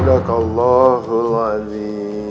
apalagi terjadinya